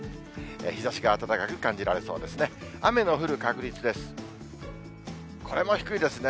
日ざしが暖かく感じられそうですね。